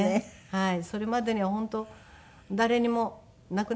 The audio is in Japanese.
はい。